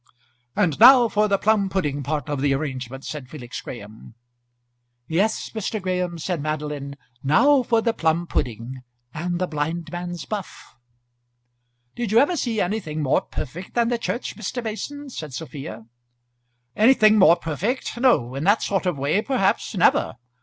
"And now for the plum pudding part of the arrangement," said Felix Graham. "Yes, Mr. Graham," said Madeline, "now for the plum pudding and the blindman's buff." "Did you ever see anything more perfect than the church, Mr. Mason?" said Sophia. "Anything more perfect? no; in that sort of way, perhaps, never.